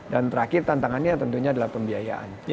dan terakhir tantangannya tentunya adalah pembiayaan